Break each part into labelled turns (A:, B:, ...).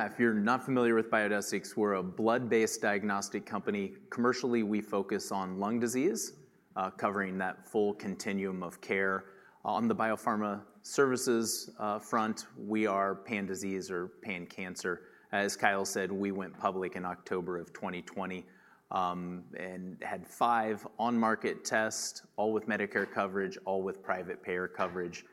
A: ...If you're not familiar with Biodesix, we're a blood-based diagnostic company. Commercially, we focus on lung disease, covering that full continuum of care. On the biopharma services front, we are pan-disease or pan-cancer. As Kyle said, we went public in October of 2020, and had five on-market tests, all with Medicare coverage, all with private payer coverage.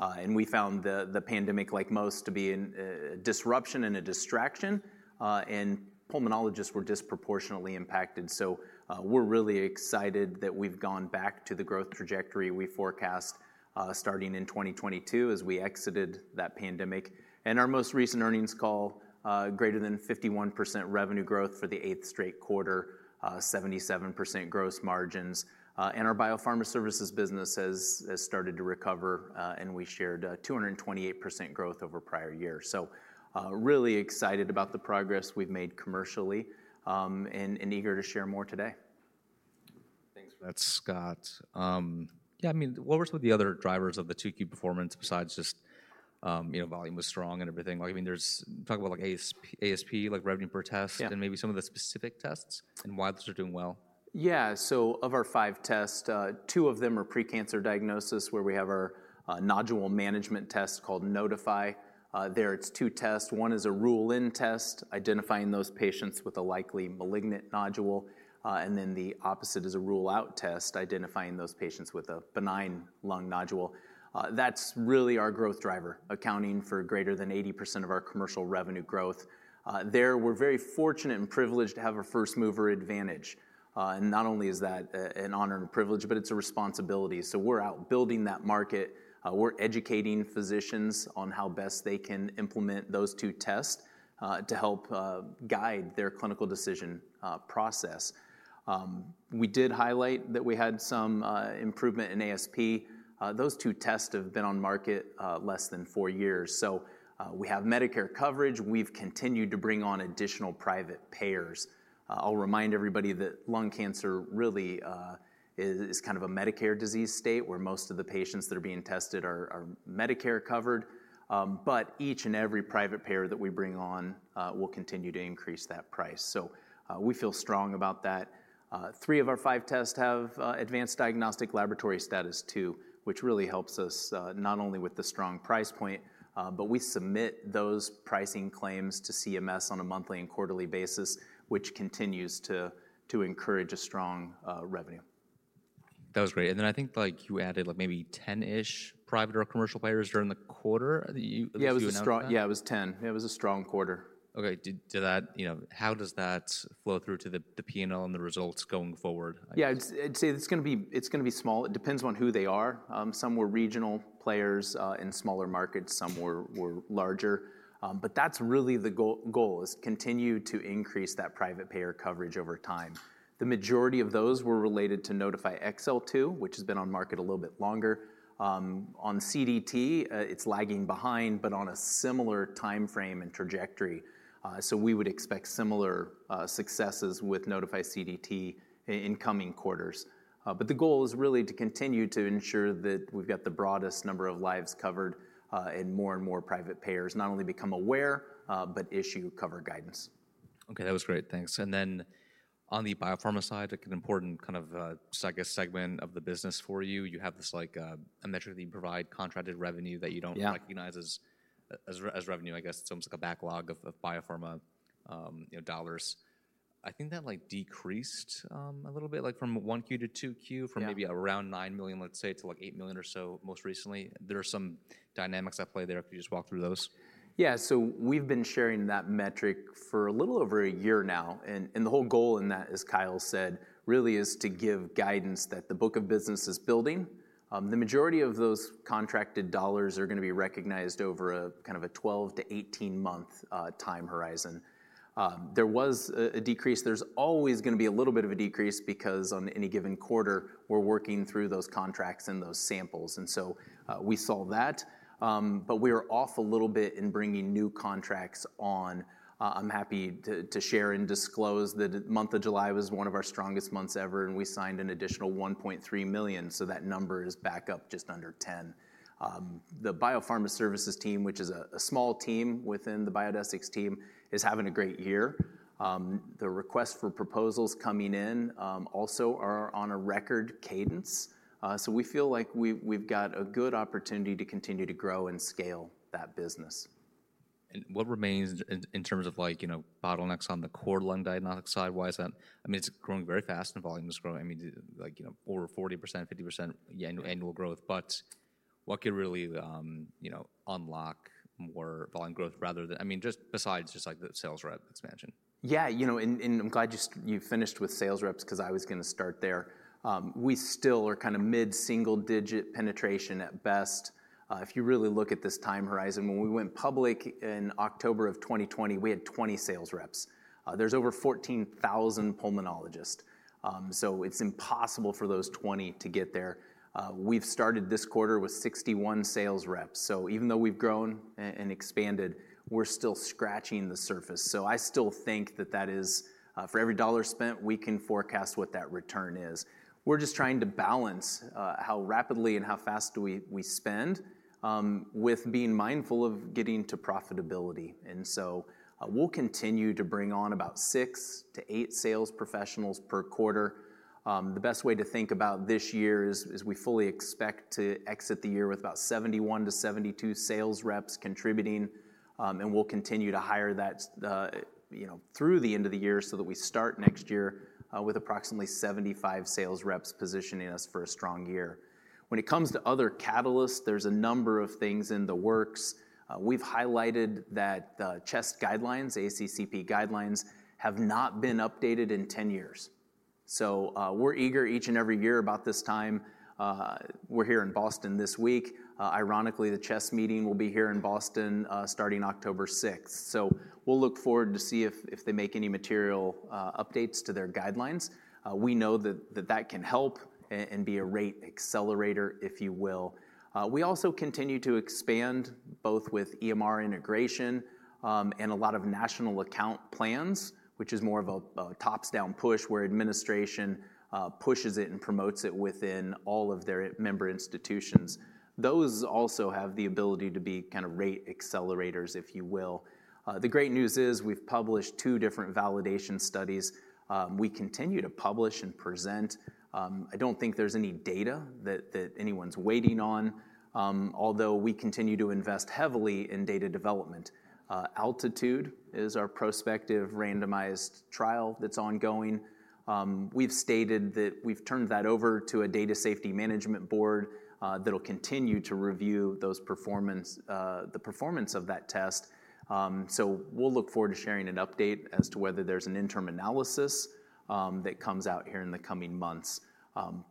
A: And we found the pandemic, like most, to be an disruption and a distraction, and pulmonologists were disproportionately impacted. So, we're really excited that we've gone back to the growth trajectory we forecast, starting in 2022 as we exited that pandemic. In our most recent earnings call, greater than 51% revenue growth for the eighth straight quarter, 77% gross margins, and our biopharma services business has started to recover, and we shared 228% growth over prior years. So, really excited about the progress we've made commercially, and eager to share more today.
B: Thanks for that, Scott. Yeah, I mean, what was with the other drivers of the two key performance besides just, you know, volume was strong and everything? Like, I mean, there's - talk about like ASP, ASP, like revenue per test-
A: Yeah.
B: Maybe some of the specific tests and why those are doing well.
A: Yeah. So of our five tests, two of them are pre-cancer diagnosis, where we have our nodule management test called Nodify. There it's two tests. One is a rule-in test, identifying those patients with a likely malignant nodule, and then the opposite is a rule-out test, identifying those patients with a benign lung nodule. That's really our growth driver, accounting for greater than 80% of our commercial revenue growth. There, we're very fortunate and privileged to have a first-mover advantage. And not only is that an honor and a privilege, but it's a responsibility, so we're out building that market. We're educating physicians on how best they can implement those two tests to help guide their clinical decision process. We did highlight that we had some improvement in ASP. Those two tests have been on market less than four years, so we have Medicare coverage. We've continued to bring on additional private payers. I'll remind everybody that lung cancer really is kind of a Medicare disease state, where most of the patients that are being tested are Medicare covered, but each and every private payer that we bring on will continue to increase that price. So we feel strong about that. Three of our five tests have advanced diagnostic laboratory status too, which really helps us not only with the strong price point, but we submit those pricing claims to CMS on a monthly and quarterly basis, which continues to encourage a strong revenue.
B: That was great. And then I think, like, you added, like maybe 10-ish private or commercial payers during the quarter, you-
A: Yeah, it was a strong-
B: - announcing-
A: Yeah, it was 10. It was a strong quarter.
B: Okay, did that... You know, how does that flow through to the P&L and the results going forward?
A: Yeah, it's, I'd say, it's gonna be small. It depends on who they are. Some were regional players in smaller markets, some were larger. But that's really the goal, goal is continue to increase that private payer coverage over time. The majority of those were related to Nodify XL2, which has been on market a little bit longer. On CDT, it's lagging behind, but on a similar timeframe and trajectory. So we would expect similar successes with Nodify CDT in coming quarters. But the goal is really to continue to ensure that we've got the broadest number of lives covered, and more and more private payers not only become aware, but issue cover guidance.
B: Okay, that was great. Thanks. And then on the biopharma side, like an important kind of segment of the business for you, you have this like a metric that you provide, contracted revenue, that you don't-
A: Yeah...
B: recognize as revenue, I guess it's almost like a backlog of biopharma, you know, dollars. I think that like decreased a little bit, like from 1Q to 2Q-
A: Yeah...
B: from maybe around $9 million, let's say, to like $8 million or so, most recently. There are some dynamics at play there if you just walk through those.
A: Yeah, so we've been sharing that metric for a little over a year now, and, and the whole goal in that, as Kyle said, really is to give guidance that the book of business is building. The majority of those contracted dollars are gonna be recognized over a kind of a 12- to 18-month time horizon. There was a decrease. There's always gonna be a little bit of a decrease because on any given quarter, we're working through those contracts and those samples, and so, we saw that, but we were off a little bit in bringing new contracts on. I'm happy to share and disclose that month of July was one of our strongest months ever, and we signed an additional $1.3 million, so that number is back up just under $10 million. The biopharma services team, which is a small team within the Biodesix team, is having a great year. The request for proposals coming in also are on a record cadence. So we feel like we've got a good opportunity to continue to grow and scale that business.
B: What remains in terms of like, you know, bottlenecks on the core lung diagnostic side? Why is that? I mean, it's growing very fast, and volume is growing. I mean, like, you know, over 40%, 50% annual growth, but what could really, you know, unlock more volume growth rather than... I mean, just besides just like the sales rep expansion.
A: Yeah, you know, and I'm glad you finished with sales reps because I was gonna start there. We still are kind of mid-single digit penetration at best. If you really look at this time horizon, when we went public in October of 2020, we had 20 sales reps. There's over 14,000 pulmonologists, so it's impossible for those 20 to get there. We've started this quarter with 61 sales reps, so even though we've grown and expanded, we're still scratching the surface. So I still think that that is for every dollar spent, we can forecast what that return is. We're just trying to balance how rapidly and how fast do we spend with being mindful of getting to profitability. And so, we'll continue to bring on about six to eight sales professionals per quarter. The best way to think about this year is we fully expect to exit the year with about 71-72 sales reps contributing. And we'll continue to hire that, you know, through the end of the year so that we start next year with approximately 75 sales reps positioning us for a strong year. When it comes to other catalysts, there's a number of things in the works. We've highlighted that the CHEST guidelines, ACCP guidelines, have not been updated in 10 years. So, we're eager each and every year about this time. We're here in Boston this week. Ironically, the CHEST meeting will be here in Boston starting October sixth. So we'll look forward to see if they make any material updates to their guidelines. We know that that can help and be a rate accelerator, if you will. We also continue to expand both with EMR integration and a lot of national account plans, which is more of a top-down push, where administration pushes it and promotes it within all of their member institutions. Those also have the ability to be kind of rate accelerators, if you will. The great news is we've published two different validation studies. We continue to publish and present. I don't think there's any data that anyone's waiting on, although we continue to invest heavily in data development. ALTITUDE is our prospective randomized trial that's ongoing. We've stated that we've turned that over to a Data Safety Management Board, that'll continue to review the performance of that test. So we'll look forward to sharing an update as to whether there's an interim analysis that comes out here in the coming months.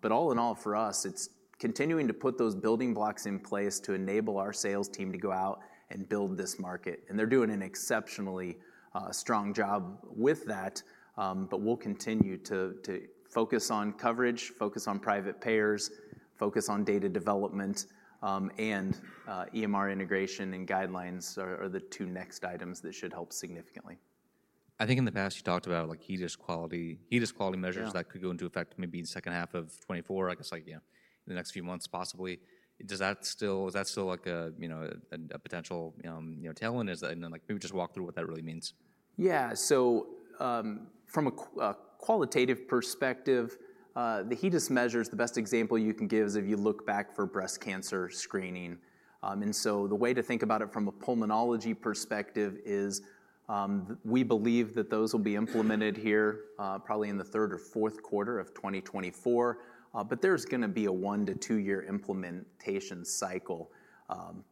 A: But all in all, for us, it's continuing to put those building blocks in place to enable our sales team to go out and build this market, and they're doing an exceptionally strong job with that. But we'll continue to focus on coverage, focus on private payers, focus on data development, and EMR integration and guidelines are the two next items that should help significantly.
B: I think in the past you talked about like HEDIS quality, HEDIS quality measures-
A: Yeah
B: ...that could go into effect maybe in the second half of 2024. I guess, like, yeah, in the next few months, possibly. Does that still is that still like a, you know, a potential, you know, tailwind, is that... And then, like, maybe just walk through what that really means.
A: Yeah. So, from a qualitative perspective, the HEDIS measures, the best example you can give is if you look back for breast cancer screening. And so the way to think about it from a pulmonology perspective is, we believe that those will be implemented here, probably in the third or fourth quarter of 2024. But there's gonna be a one- to two-year implementation cycle.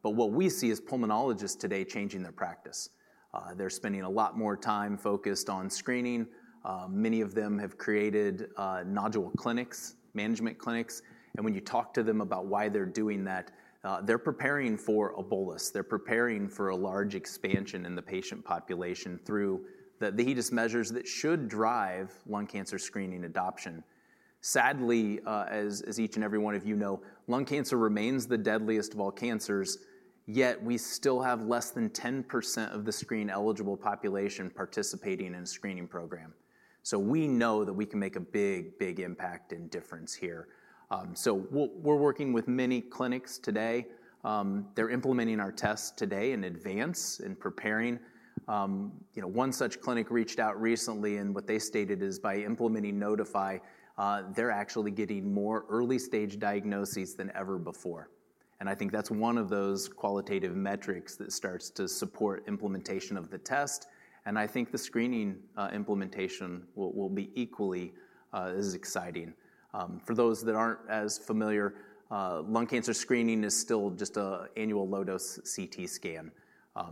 A: But what we see is pulmonologists today changing their practice. They're spending a lot more time focused on screening. Many of them have created nodule clinics, management clinics, and when you talk to them about why they're doing that, they're preparing for a bolus. They're preparing for a large expansion in the patient population through the HEDIS measures that should drive lung cancer screening adoption. Sadly, as each and every one of you know, lung cancer remains the deadliest of all cancers, yet we still have less than 10% of the screen-eligible population participating in a screening program. So we know that we can make a big, big impact and difference here. We're working with many clinics today. They're implementing our tests today in advance and preparing. You know, one such clinic reached out recently, and what they stated is, by implementing Nodify, they're actually getting more early-stage diagnoses than ever before. And I think that's one of those qualitative metrics that starts to support implementation of the test, and I think the screening implementation will be equally as exciting. For those that aren't as familiar, lung cancer screening is still just an annual low-dose CT scan.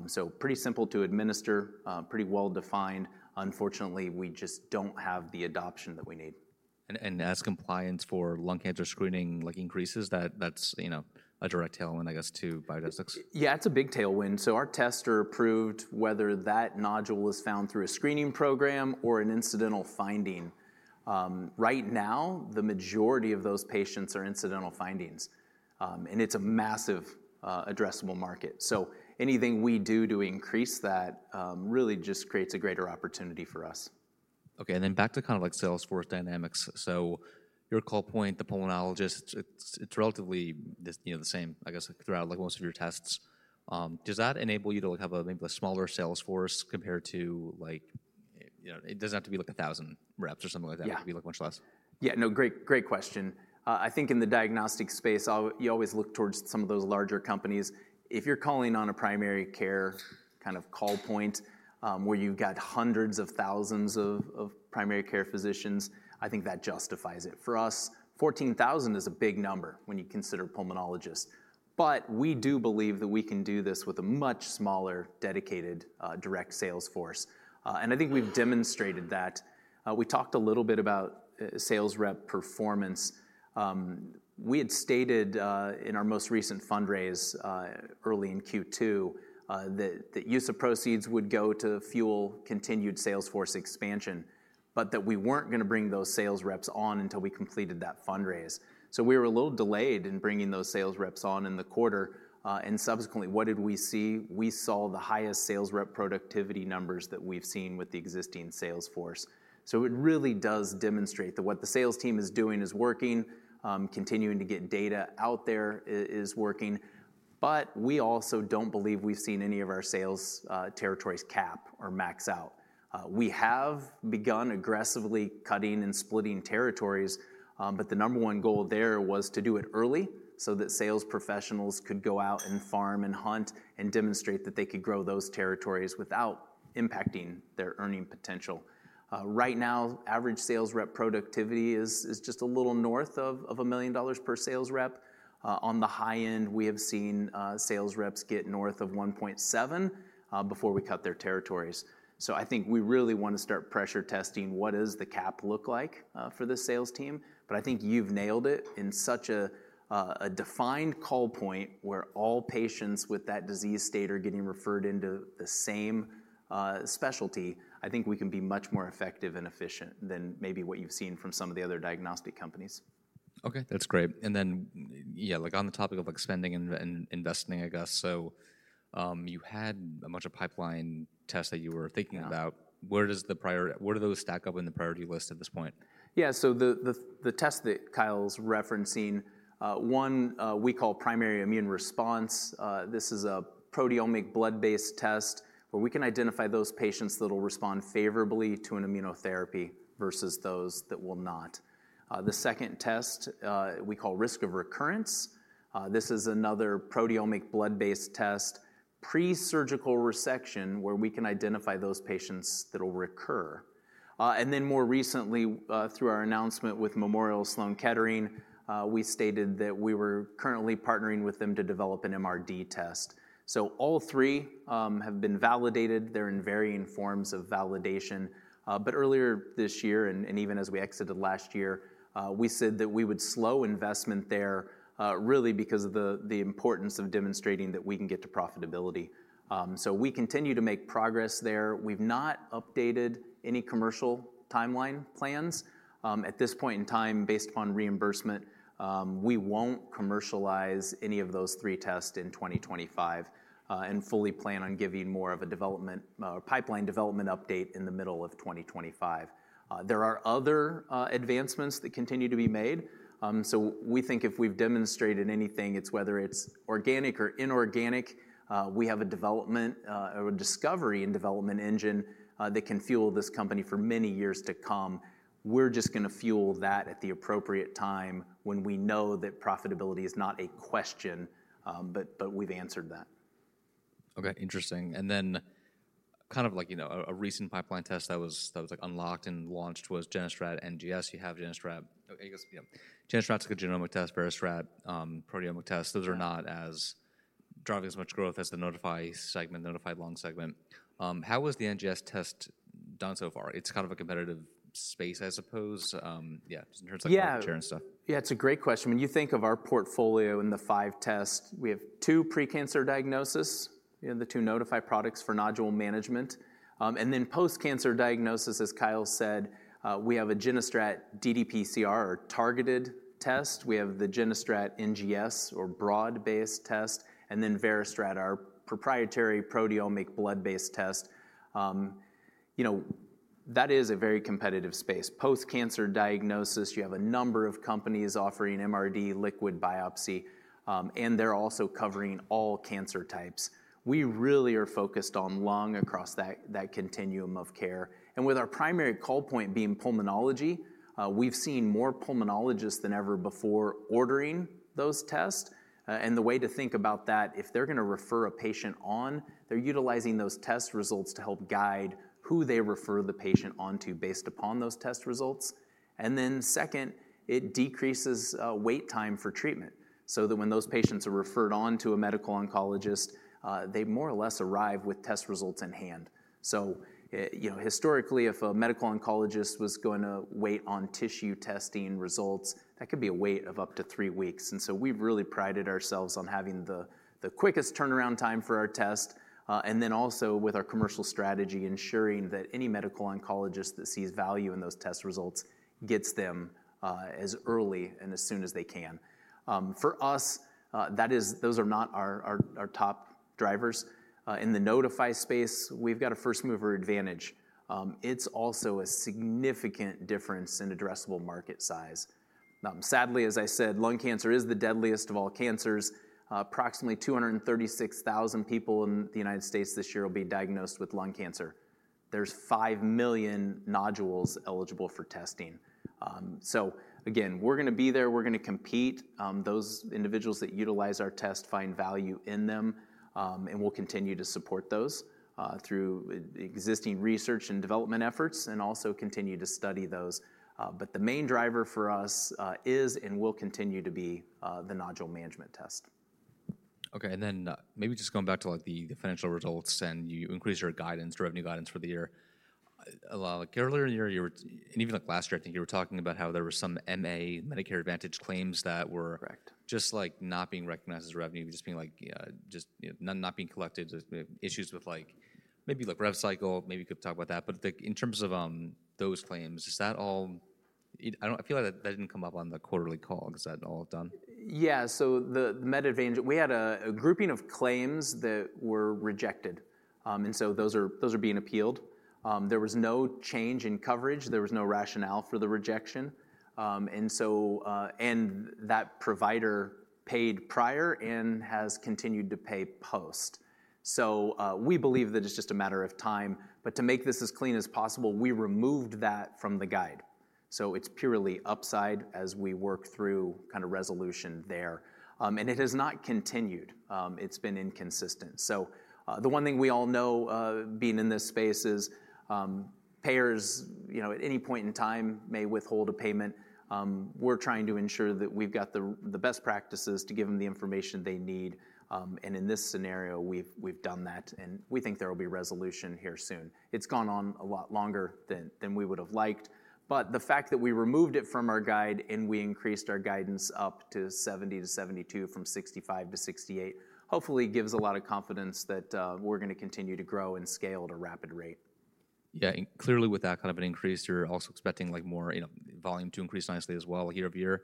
A: So pretty simple to administer, pretty well-defined. Unfortunately, we just don't have the adoption that we need.
B: As compliance for lung cancer screening like increases, that's, you know, a direct tailwind, I guess, to Biodesix?
A: Yeah, it's a big tailwind. So our tests are approved, whether that nodule is found through a screening program or an incidental finding. Right now, the majority of those patients are incidental findings, and it's a massive, addressable market. So anything we do to increase that, really just creates a greater opportunity for us.
B: Okay, and then back to kind of like Sales force dynamics. So your call point, the pulmonologist, it's relatively the, you know, the same, I guess, throughout, like, most of your tests. Does that enable you to, like, have a maybe a smaller sales force compared to like... You know, it doesn't have to be like a thousand reps or something like that-
A: Yeah.
B: It could be, like, much less.
A: Yeah, no, great, great question. I think in the diagnostic space, you always look towards some of those larger companies. If you're calling on a primary care kind of call point, where you've got hundreds of thousands of primary care physicians, I think that justifies it. For us, 14,000 is a big number when you consider pulmonologists. But we do believe that we can do this with a much smaller, dedicated direct sales force. And I think we've demonstrated that. We talked a little bit about sales rep performance. We had stated in our most recent fundraise early in Q2 that the use of proceeds would go to fuel continued sales force expansion, but that we weren't gonna bring those sales reps on until we completed that fundraise. So we were a little delayed in bringing those sales reps on in the quarter. And subsequently, what did we see? We saw the highest sales rep productivity numbers that we've seen with the existing sales force. So it really does demonstrate that what the sales team is doing is working, continuing to get data out there is working. But we also don't believe we've seen any of our sales territories cap or max out. We have begun aggressively cutting and splitting territories, but the number one goal there was to do it early, so that sales professionals could go out and farm and hunt, and demonstrate that they could grow those territories without impacting their earning potential. Right now, average sales rep productivity is just a little north of $1 million per sales rep. On the high end, we have seen sales reps get north of $1.7 before we cut their territories. So I think we really want to start pressure testing what does the cap look like for this sales team? But I think you've nailed it. In such a defined call point, where all patients with that disease state are getting referred into the same specialty, I think we can be much more effective and efficient than maybe what you've seen from some of the other diagnostic companies.
B: Okay, that's great. And then, yeah, like, on the topic of, like, spending and investing, I guess, so, you had a bunch of pipeline tests that you were thinking about.
A: Yeah.
B: Where do those stack up in the priority list at this point?
A: Yeah, so the test that Kyle's referencing, one, we call Primary Immune Response. This is a proteomic blood-based test, where we can identify those patients that will respond favorably to an immunotherapy versus those that will not. The second test, we call Risk of Recurrence. This is another proteomic blood-based test, pre-surgical resection, where we can identify those patients that will recur. And then more recently, through our announcement with Memorial Sloan Kettering, we stated that we were currently partnering with them to develop an MRD test. So all three have been validated. They're in varying forms of validation. But earlier this year, and even as we exited last year, we said that we would slow investment there, really because of the importance of demonstrating that we can get to profitability. So we continue to make progress there. We've not updated any commercial timeline plans. At this point in time, based upon reimbursement, we won't commercialize any of those three tests in 2025, and fully plan on giving more of a development pipeline development update in the middle of 2025. There are other advancements that continue to be made. So we think if we've demonstrated anything, it's whether it's organic or inorganic, we have a development or a discovery and development engine that can fuel this company for many years to come. We're just gonna fuel that at the appropriate time when we know that profitability is not a question, but we've answered that.
B: Okay, interesting. And then kind of like, you know, a recent pipeline test that was, like, unlocked and launched was GeneStrat NGS. You have GeneStrat... I guess, yeah. GeneStrat's a genomic test, VeriStrat, proteomic test. Those are not as driving as much growth as the Nodify segment, Nodify Lung segment. How was the NGS test done so far? It's kind of a competitive space, I suppose. Yeah, just in terms-
A: Yeah...
B: of market share and stuff.
A: Yeah, it's a great question. When you think of our portfolio in the five tests, we have two pre-cancer diagnosis, you know, the two Nodify products for nodule management. And then post-cancer diagnosis, as Kyle said, we have a GeneStrat ddPCR or targeted test. We have the GeneStrat NGS or broad-based test, and then VeriStrat, our proprietary proteomic blood-based test. You know, that is a very competitive space. Post-cancer diagnosis, you have a number of companies offering MRD liquid biopsy, and they're also covering all cancer types. We really are focused on lung across that continuum of care, and with our primary call point being pulmonology, we've seen more pulmonologists than ever before ordering those tests. And the way to think about that, if they're gonna refer a patient on, they're utilizing those test results to help guide who they refer the patient on to, based upon those test results. And then second, it decreases wait time for treatment, so that when those patients are referred on to a medical oncologist, they more or less arrive with test results in hand. So, you know, historically, if a medical oncologist was gonna wait on tissue testing results, that could be a wait of up to three weeks. And so we've really prided ourselves on having the quickest turnaround time for our test, and then also with our commercial strategy, ensuring that any medical oncologist that sees value in those test results gets them as early and as soon as they can. For us, that is, those are not our top drivers. In the Nodify space, we've got a first-mover advantage. It's also a significant difference in addressable market size. Sadly, as I said, lung cancer is the deadliest of all cancers. Approximately 236,000 people in the United States this year will be diagnosed with lung cancer. There's five million nodules eligible for testing. So again, we're gonna be there, we're gonna compete. Those individuals that utilize our test find value in them, and we'll continue to support those through existing research and development efforts, and also continue to study those. But the main driver for us is and will continue to be the nodule management test.
B: Okay, and then, maybe just going back to, like, the financial results, and you increased your guidance, revenue guidance for the year. Like earlier in the year, you were- and even like last year, I think you were talking about how there were some MA, Medicare Advantage claims that were-
A: Correct...
B: just, like, not being recognized as revenue, just being like, just, you know, not being collected, just issues with, like, maybe like rev cycle. Maybe you could talk about that. But the... In terms of those claims, is that all? I don't feel like that didn't come up on the quarterly call. Is that all done?
A: Yeah. So the Med Advantage, we had a grouping of claims that were rejected, and so those are being appealed. There was no change in coverage, there was no rationale for the rejection. And so, and that provider paid prior and has continued to pay post. So, we believe that it's just a matter of time, but to make this as clean as possible, we removed that from the guide. So it's purely upside as we work through kind of resolution there. And it has not continued. It's been inconsistent. So, the one thing we all know, being in this space is, payers, you know, at any point in time may withhold a payment. We're trying to ensure that we've got the best practices to give them the information they need. And in this scenario, we've done that, and we think there will be resolution here soon. It's gone on a lot longer than we would have liked, but the fact that we removed it from our guide and we increased our guidance up to $70-$72 from $65-$68, hopefully gives a lot of confidence that we're gonna continue to grow and scale at a rapid rate.
B: Yeah, and clearly, with that kind of an increase, you're also expecting like more, you know, volume to increase nicely as well year-over-year,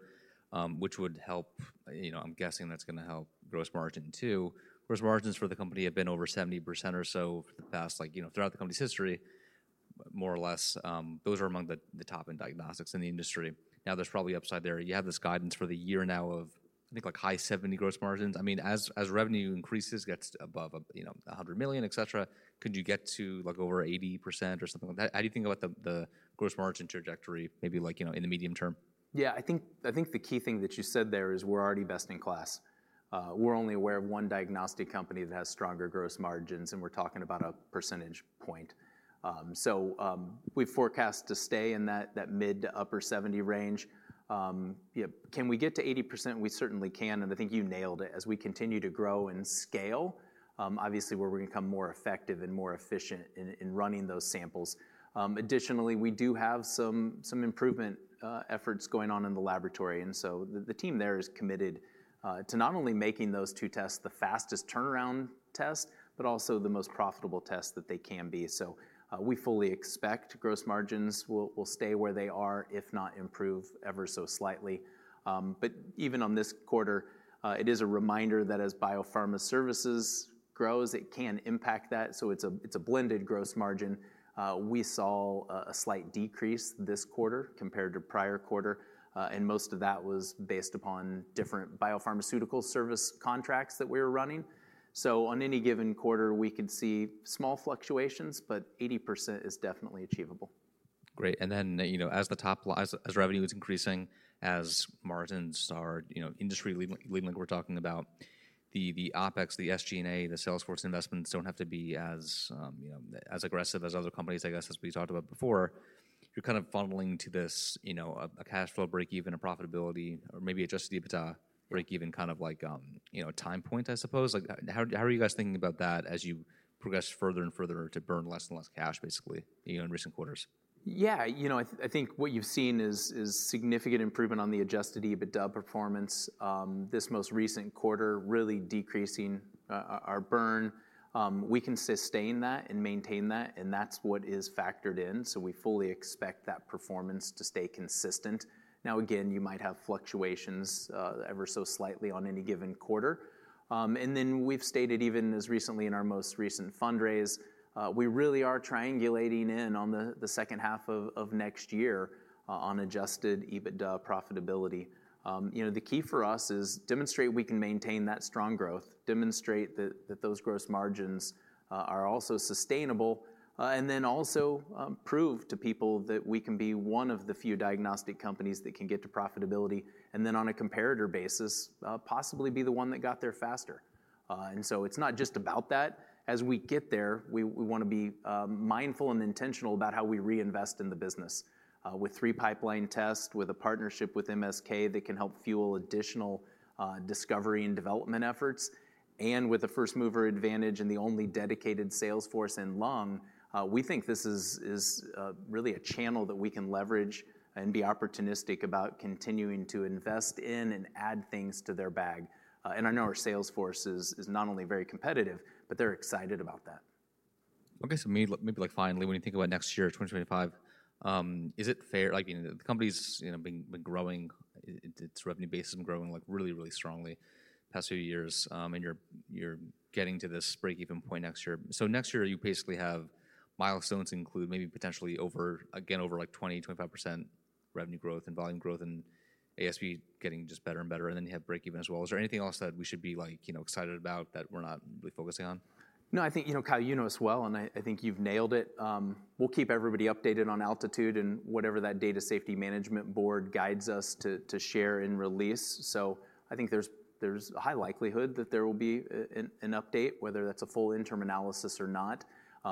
B: which would help... You know, I'm guessing that's gonna help gross margin too. Gross margins for the company have been over 70% or so for the past, like, you know, throughout the company's history, more or less, those are among the top in diagnostics in the industry. Now, there's probably upside there. You have this guidance for the year now of, I think, like high 70% gross margins. I mean, as revenue increases, gets above a, you know, a $100 million, et cetera, could you get to like over 80% or something like that? How do you think about the gross margin trajectory, maybe like, you know, in the medium term?
A: Yeah, I think the key thing that you said there is we're already best in class. We're only aware of one diagnostic company that has stronger gross margins, and we're talking about a percentage point. We forecast to stay in that mid- to upper-70% range. Can we get to 80%? We certainly can, and I think you nailed it. As we continue to grow and scale, obviously we're going to become more effective and more efficient in running those samples. Additionally, we do have some improvement efforts going on in the laboratory, and so the team there is committed to not only making those two tests the fastest turnaround test, but also the most profitable test that they can be. So, we fully expect gross margins will stay where they are, if not improve ever so slightly. But even on this quarter, it is a reminder that as biopharma services grows, it can impact that, so it's a blended gross margin. We saw a slight decrease this quarter compared to prior quarter, and most of that was based upon different biopharmaceutical service contracts that we were running. So on any given quarter, we could see small fluctuations, but 80% is definitely achievable.
B: Great. And then, you know, as the top line, as revenue is increasing, as margins are, you know, industry leading, like we're talking about, the OpEx, the SG&A, the salesforce investments don't have to be as, you know, as aggressive as other companies, I guess, as we talked about before. You're kind of funneling to this, you know, a cash flow break even, a profitability, or maybe adjusted EBITDA break even, kind of like, you know, time point, I suppose. Like, how are you guys thinking about that as you progress further and further to burn less and less cash, basically, you know, in recent quarters?
A: Yeah, you know, I think what you've seen is significant improvement on the adjusted EBITDA performance, this most recent quarter, really decreasing our burn. We can sustain that and maintain that, and that's what is factored in, so we fully expect that performance to stay consistent. Now, again, you might have fluctuations, ever so slightly on any given quarter. And then we've stated even as recently in our most recent fundraise, we really are triangulating in on the second half of next year on adjusted EBITDA profitability. You know, the key for us is demonstrate we can maintain that strong growth, demonstrate that those gross margins are also sustainable, and then also prove to people that we can be one of the few diagnostic companies that can get to profitability, and then on a comparator basis, possibly be the one that got there faster. And so it's not just about that. As we get there, we wanna be mindful and intentional about how we reinvest in the business. With three pipeline tests, with a partnership with MSK that can help fuel additional discovery and development efforts, and with the first-mover advantage and the only dedicated salesforce in lung, we think this is really a channel that we can leverage and be opportunistic about continuing to invest in and add things to their bag. I know our Salesforce is not only very competitive, but they're excited about that.
B: Okay. So maybe like finally, when you think about next year, 2025, is it fair—like, you know, the company's, you know, been growing, its revenue base has been growing like really, really strongly the past few years, and you're getting to this break-even point next year. So next year you basically have milestones include maybe potentially over, again, over like 25% revenue growth and volume growth, and ASP getting just better and better, and then you have break-even as well. Is there anything else that we should be like, you know, excited about that we're not really focusing on?
A: No, I think, you know, Kyle, you know us well, and I think you've nailed it. We'll keep everybody updated on ALTITUDE and whatever that Data Safety Management Board guides us to share and release. So I think there's a high likelihood that there will be an update, whether that's a full interim analysis or not.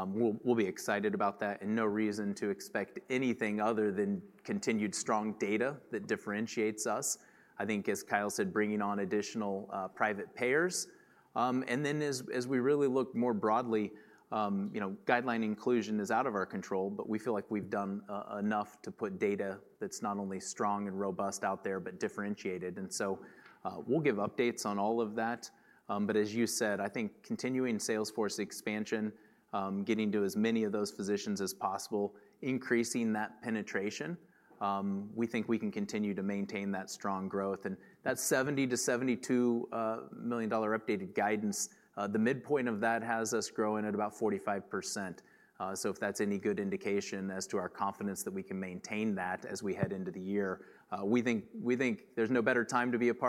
A: We'll be excited about that and no reason to expect anything other than continued strong data that differentiates us. I think, as Kyle said, bringing on additional private payers. And then as we really look more broadly, you know, guideline inclusion is out of our control, but we feel like we've done enough to put data that's not only strong and robust out there, but differentiated. And so, we'll give updates on all of that. But as you said, I think continuing Salesforce expansion, getting to as many of those physicians as possible, increasing that penetration, we think we can continue to maintain that strong growth. And that $70 million-$72 million updated guidance, the midpoint of that has us growing at about 45%. So if that's any good indication as to our confidence that we can maintain that as we head into the year, we think, we think there's no better time to be a part of-